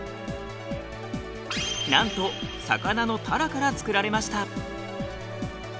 なんと魚のタラから作られました。